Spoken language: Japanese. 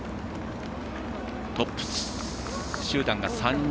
トップ集団が３人。